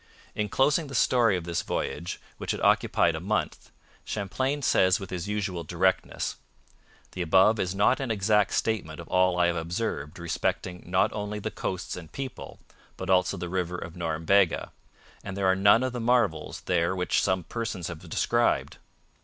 In closing the story of this voyage, which had occupied a month, Champlain says with his usual directness: 'The above is an exact statement of all I have observed respecting not only the coasts and people, but also the river of Norumbega; and there are none of the marvels there which some persons have described.